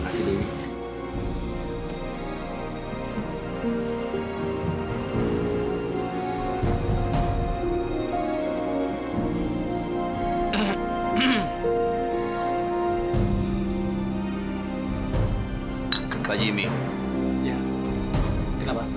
kenapa pak jus